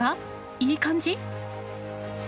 いい感じ？